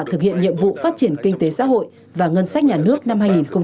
thực hiện nhiệm vụ phát triển kinh tế xã hội và ngân sách nhà nước năm hai nghìn hai mươi